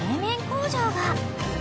工場が］